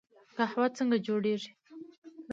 قهوه څنګه جوړیږي؟